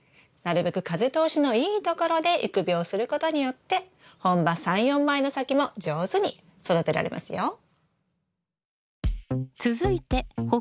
なるべく風通しのいいところで育苗することによって本葉３４枚の先も上手に育てられますよ。